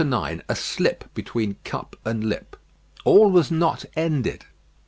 IX A SLIP BETWEEN CUP AND LIP All was not ended.